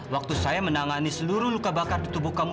waktu saya menangani seluruh luka bakar di tubuh kamu